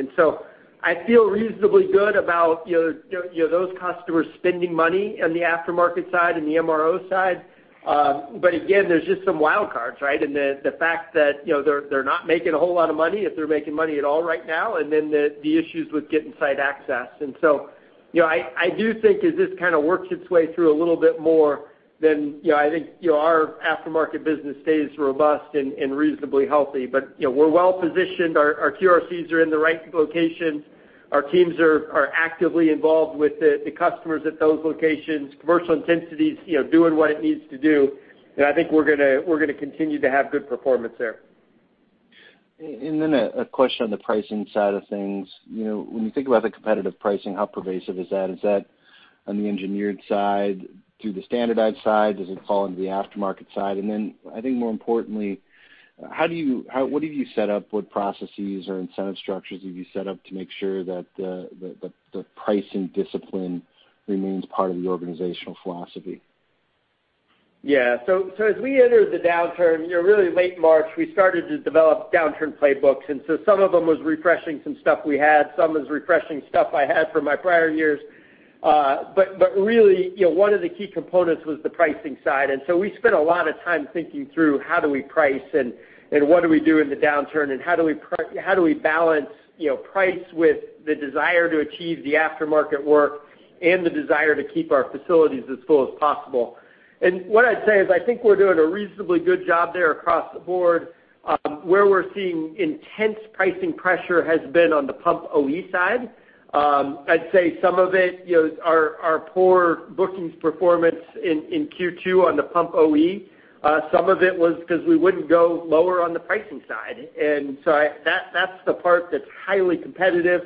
I feel reasonably good about those customers spending money on the aftermarket side and the MRO side. Again, there's just some wild cards, right? The fact that they're not making a whole lot of money, if they're making money at all right now, the issues with getting site access. I do think as this kind of works its way through a little bit more, I think our aftermarket business stays robust and reasonably healthy. We're well-positioned. Our QRCs are in the right locations. Our teams are actively involved with the customers at those locations. Commercial intensity's doing what it needs to do. I think we're going to continue to have good performance there. Then a question on the pricing side of things. When you think about the competitive pricing, how pervasive is that? Is that on the engineered side? Through the standardized side? Does it fall into the aftermarket side? Then I think more importantly, what have you set up? What processes or incentive structures have you set up to make sure that the pricing discipline remains part of the organizational philosophy? Yeah. As we entered the downturn, really late March, we started to develop downturn playbooks. Some of them was refreshing some stuff we had. Some was refreshing stuff I had from my prior years. Really, one of the key components was the pricing side. We spent a lot of time thinking through how do we price and what do we do in the downturn, and how do we balance price with the desire to achieve the aftermarket work and the desire to keep our facilities as full as possible. What I'd say is, I think we're doing a reasonably good job there across the board. Where we're seeing intense pricing pressure has been on the pump OE side. I'd say some of it, our poor bookings performance in Q2 on the pump OE. Some of it was because we wouldn't go lower on the pricing side. That's the part that's highly competitive.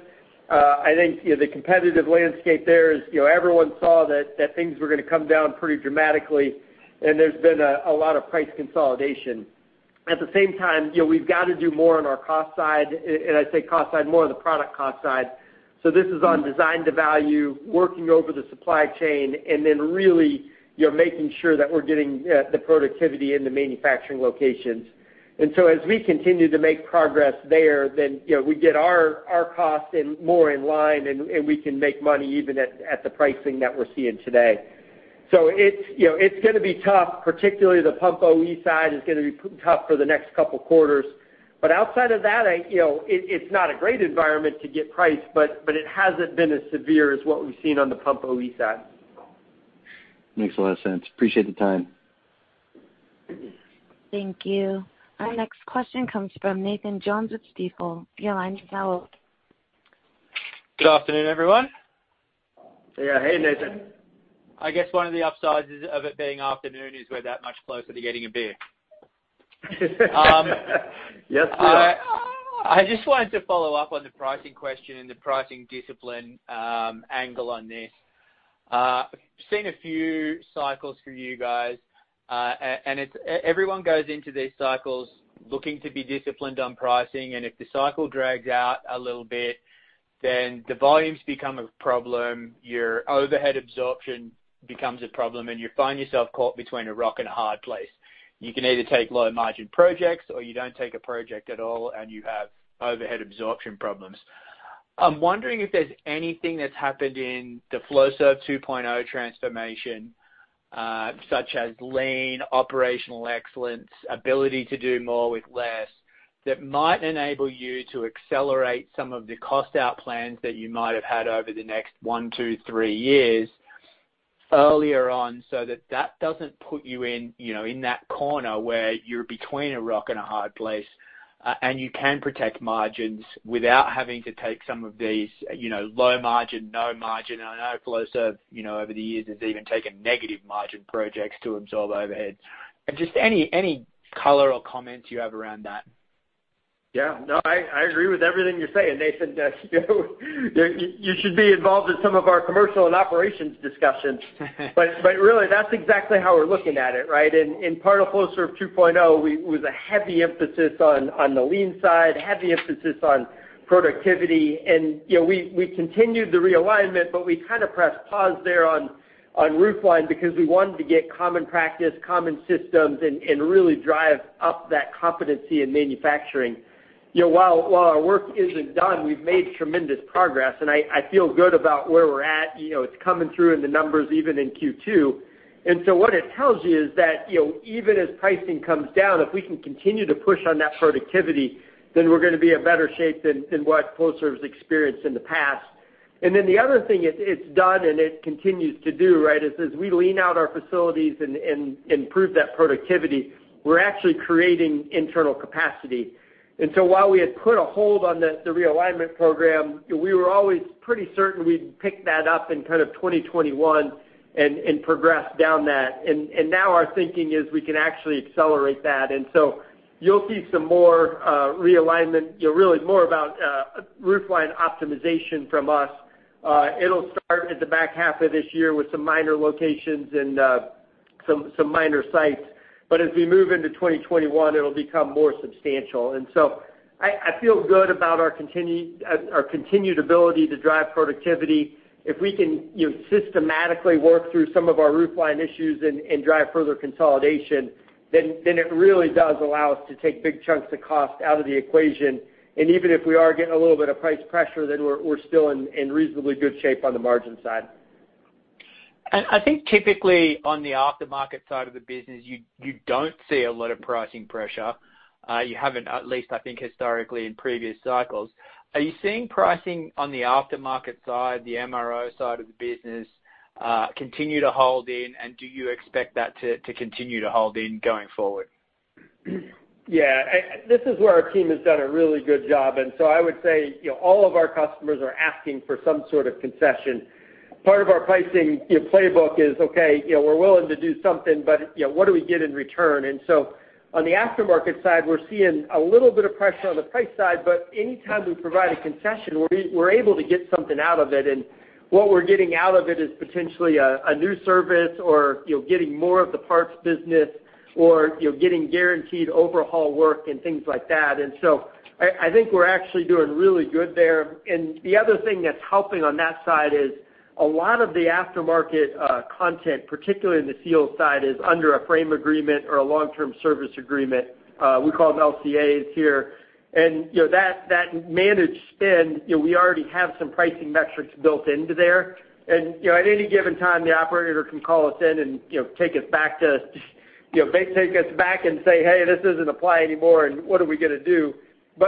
I think the competitive landscape there is everyone saw that things were going to come down pretty dramatically, and there's been a lot of price consolidation. At the same time, we've got to do more on our cost side, and I say cost side, more on the product cost side. This is on design to value, working over the supply chain, and then really making sure that we're getting the productivity in the manufacturing locations. As we continue to make progress there, then we get our costs in more in line, and we can make money even at the pricing that we're seeing today. It's going to be tough, particularly the pump OE side is going to be tough for the next couple of quarters. Outside of that, it's not a great environment to get price, but it hasn't been as severe as what we've seen on the pump OE side. Makes a lot of sense. Appreciate the time. Thank you. Our next question comes from Nathan Jones with Stifel. Your line is now open. Good afternoon, everyone. Yeah. Hey, Nathan. I guess one of the upsides of it being afternoon is we're that much closer to getting a beer. Yes, we are. I just wanted to follow up on the pricing question and the pricing discipline angle on this. I've seen a few cycles for you guys. Everyone goes into these cycles looking to be disciplined on pricing, and if the cycle drags out a little bit, then the volumes become a problem, your overhead absorption becomes a problem, and you find yourself caught between a rock and a hard place. You can either take low margin projects, or you don't take a project at all and you have overhead absorption problems. I'm wondering if there's anything that's happened in the Flowserve 2.0 Transformation, such as lean operational excellence, ability to do more with less, that might enable you to accelerate some of the cost-out plans that you might have had over the next one, two, three years earlier on, so that that doesn't put you in that corner where you're between a rock and a hard place, and you can protect margins without having to take some of these low margin, no margin. I know Flowserve, over the years, has even taken negative margin projects to absorb overhead. Just any color or comments you have around that? Yeah, no, I agree with everything you're saying, Nathan. You should be involved in some of our commercial and operations discussions. Really, that's exactly how we're looking at it, right? In part of Flowserve 2.0, it was a heavy emphasis on the lean side, heavy emphasis on productivity. We continued the realignment, but we kind of pressed pause there on Roofline because we wanted to get common practice, common systems, and really drive up that competency in manufacturing. While our work isn't done, we've made tremendous progress, and I feel good about where we're at. It's coming through in the numbers, even in Q2. What it tells you is that even as pricing comes down, if we can continue to push on that productivity, then we're going to be in better shape than what Flowserve's experienced in the past. Then the other thing it's done and it continues to do, right, is as we lean out our facilities and improve that productivity, we're actually creating internal capacity. While we had put a hold on the realignment program, we were always pretty certain we'd pick that up in kind of 2021 and progress down that. Now our thinking is we can actually accelerate that. You'll see some more realignment, really more about roofline optimization from us. It'll start at the back half of this year with some minor locations and some minor sites. As we move into 2021, it'll become more substantial. I feel good about our continued ability to drive productivity. If we can systematically work through some of our roofline issues and drive further consolidation, then it really does allow us to take big chunks of cost out of the equation. Even if we are getting a little bit of price pressure, then we're still in reasonably good shape on the margin side. I think typically on the aftermarket side of the business, you don't see a lot of pricing pressure. You haven't, at least I think historically in previous cycles. Are you seeing pricing on the aftermarket side, the MRO side of the business, continue to hold in? Do you expect that to continue to hold in going forward? Yeah. This is where our team has done a really good job. I would say all of our customers are asking for some sort of concession. Part of our pricing playbook is, okay, we're willing to do something, but what do we get in return? On the aftermarket side, we're seeing a little bit of pressure on the price side, but anytime we provide a concession, we're able to get something out of it. What we're getting out of it is potentially a new service or getting more of the parts business or getting guaranteed overhaul work and things like that. I think we're actually doing really good there. The other thing that's helping on that side is a lot of the aftermarket content, particularly in the field side, is under a frame agreement or a long-term service agreement. We call them LCAs here. That managed spend, we already have some pricing metrics built into there. At any given time, the operator can call us in and take us back and say, "Hey, this doesn't apply anymore, and what are we going to do?"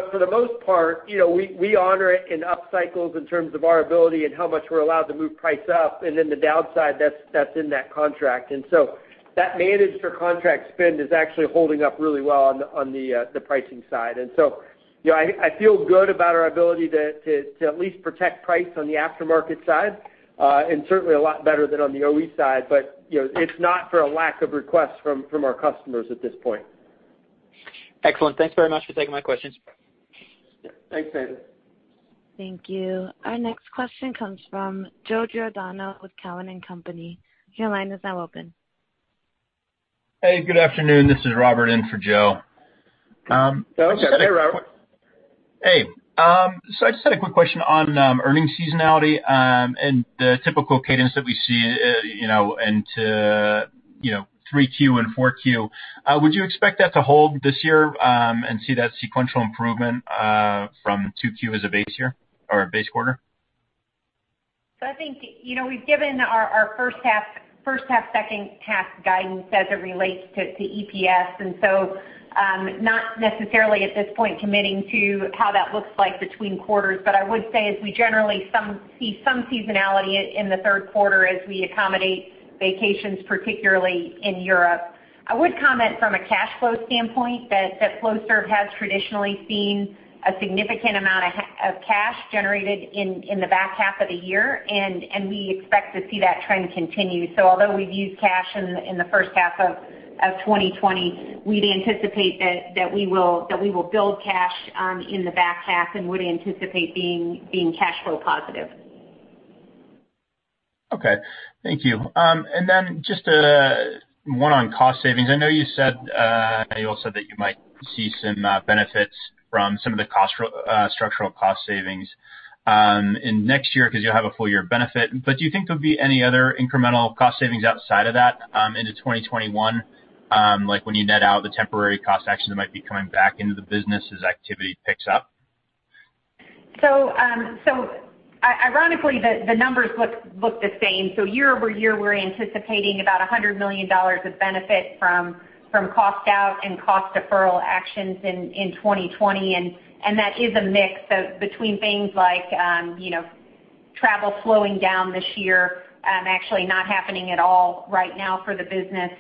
For the most part, we honor it in up cycles in terms of our ability and how much we're allowed to move price up. The downside that's in that contract. That managed for contract spend is actually holding up really well on the pricing side. I feel good about our ability to at least protect price on the aftermarket side, and certainly a lot better than on the OE side. It's not for a lack of requests from our customers at this point. Excellent. Thanks very much for taking my questions. Thanks, Nathan. Thank you. Our next question comes from Joe Giordano with Cowen and Company. Your line is now open. Hey, good afternoon. This is Robert in for Joe. Okay. Hey, Robert. Hey. I just had a quick question on earnings seasonality and the typical cadence that we see into 3Q and 4Q. Would you expect that to hold this year and see that sequential improvement from 2Q as a base year or a base quarter? I think we've given our first half, second half guidance as it relates to EPS. Not necessarily at this point committing to how that looks like between quarters. I would say as we generally see some seasonality in the third quarter as we accommodate vacations, particularly in Europe. I would comment from a cash flow standpoint that Flowserve has traditionally seen a significant amount of cash generated in the back half of the year, and we expect to see that trend continue. Although we've used cash in the first half of 2020, we'd anticipate that we will build cash in the back half and would anticipate being cash flow positive. Okay. Thank you. Just one on cost savings. I know you said that you might see some benefits from some of the structural cost savings in next year because you'll have a full year of benefit. Do you think there'll be any other incremental cost savings outside of that into 2021? Like when you net out the temporary cost actions that might be coming back into the business as activity picks up? Ironically, the numbers look the same. Year-over-year, we're anticipating about $100 million of benefit from cost out and cost deferral actions in 2020. That is a mix between things like travel slowing down this year, actually not happening at all right now for the business.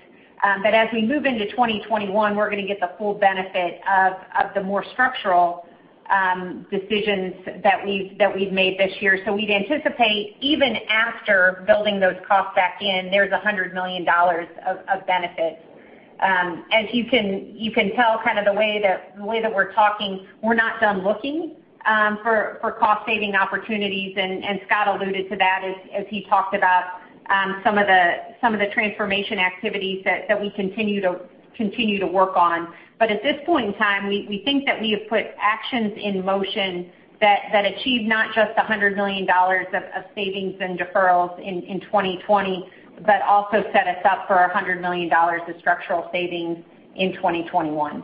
As we move into 2021, we're going to get the full benefit of the more structural decisions that we've made this year. We'd anticipate even after building those costs back in, there's $100 million of benefits. As you can tell, kind of the way that we're talking, we're not done looking for cost saving opportunities. Scott alluded to that as he talked about some of the transformation activities that we continue to work on. At this point in time, we think that we have put actions in motion that achieve not just $100 million of savings and deferrals in 2020, but also set us up for $100 million of structural savings in 2021.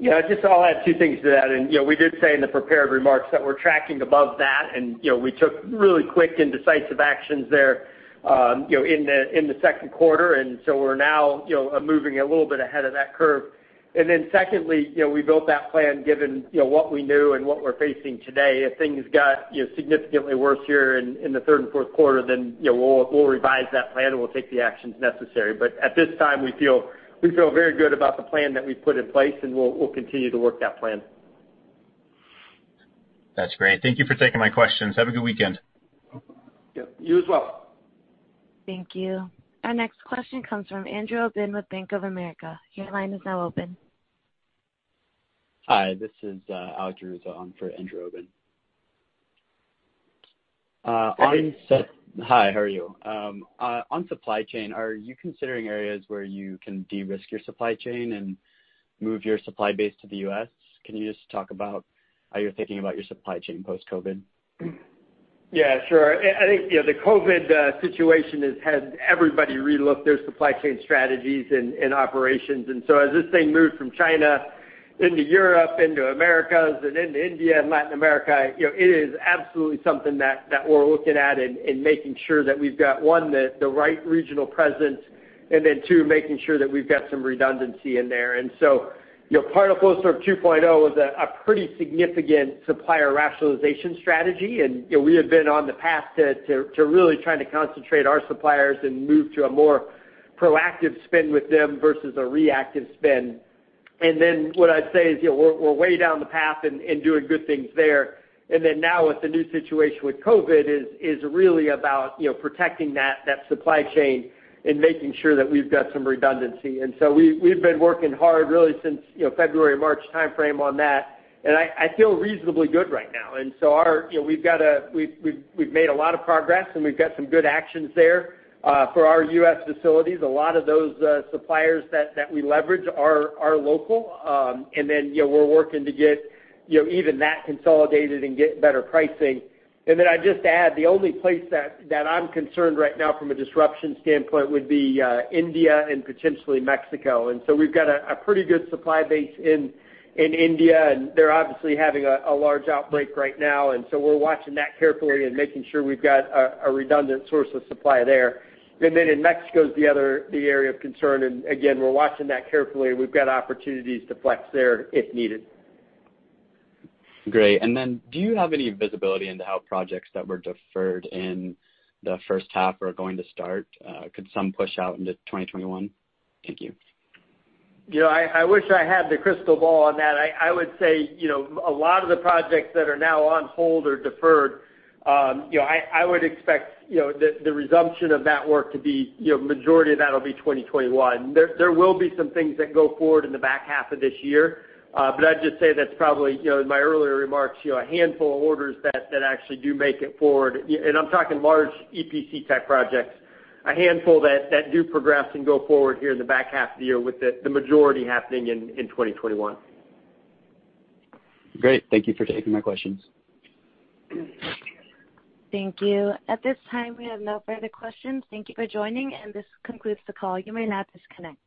Yeah, just I'll add two things to that. We did say in the prepared remarks that we're tracking above that, and we took really quick and decisive actions there in the second quarter. We're now moving a little bit ahead of that curve. Secondly, we built that plan given what we knew and what we're facing today. If things got significantly worse here in the third and fourth quarter, then we'll revise that plan, and we'll take the actions necessary. At this time, we feel very good about the plan that we've put in place, and we'll continue to work that plan. That's great. Thank you for taking my questions. Have a good weekend. Yep, you as well. Thank you. Our next question comes from Andrew Obin with Bank of America. Your line is now open. Hi, this is Alex Bussan for Andrew Obin. Hi. Hi, how are you? On supply chain, are you considering areas where you can de-risk your supply chain and move your supply base to the U.S.? Can you just talk about how you're thinking about your supply chain post-COVID? Yeah, sure. I think the COVID situation has had everybody re-look their supply chain strategies and operations. As this thing moved from China into Europe, into Americas, and into India and Latin America, it is absolutely something that we're looking at and making sure that we've got, one, the right regional presence and then, two, making sure that we've got some redundancy in there. Part of Flowserve 2.0 was a pretty significant supplier rationalization strategy. We have been on the path to really trying to concentrate our suppliers and move to a more proactive spend with them versus a reactive spend. What I'd say is we're way down the path and doing good things there. Now with the new situation with COVID is really about protecting that supply chain and making sure that we've got some redundancy. We've been working hard really since February or March timeframe on that, and I feel reasonably good right now. We've made a lot of progress, and we've got some good actions there. For our U.S. facilities, a lot of those suppliers that we leverage are local. We're working to get even that consolidated and get better pricing. I'd just add, the only place that I'm concerned right now from a disruption standpoint would be India and potentially Mexico. We've got a pretty good supply base in India, and they're obviously having a large outbreak right now, and so we're watching that carefully and making sure we've got a redundant source of supply there. In Mexico is the area of concern, and again, we're watching that carefully, and we've got opportunities to flex there if needed. Great. Do you have any visibility into how projects that were deferred in the first half are going to start? Could some push out into 2021? Thank you. I wish I had the crystal ball on that. I would say a lot of the projects that are now on hold or deferred, I would expect the resumption of that work to be, majority of that'll be 2021. There will be some things that go forward in the back half of this year. I'd just say that's probably, in my earlier remarks, a handful of orders that actually do make it forward. I'm talking large EPC type projects, a handful that do progress and go forward here in the back half of the year with the majority happening in 2021. Great. Thank you for taking my questions. Thank you. At this time, we have no further questions. Thank you for joining, and this concludes the call. You may now disconnect.